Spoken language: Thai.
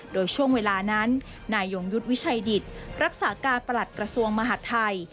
โดยช่วงเวลานั้นนายยงยุทธ์วิชัยดิตรักษาการประหลัดกระทรวงมหาดไทย